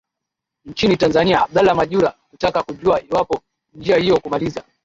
nchini tanzania abdala majura kutaka kujua iwapo njia hiyo kumaliza